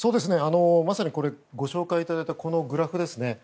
まさにご紹介いただいたこのグラフですね。